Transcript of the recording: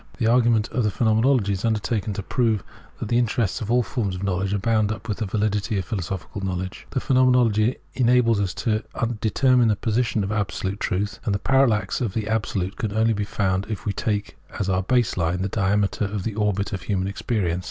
The argument of the Phenomenology is undertaken to prove that the interes fcs of all forms of knowledge are bound up with the validity of philosophical knowledge. The Phenotnenology enables us to determine the position of Absolute Truth, and the parallax of the Absolute can only be found if we take f.s our base line the diameter of the orbit of human ex perience.